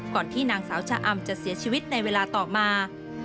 ที่นางสาวชะอำจะเสียชีวิตในเวลาต่อมา